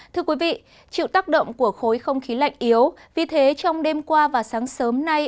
thưa quý vị chịu tác động của khối không khí lạnh yếu vì thế trong đêm qua và sáng sớm nay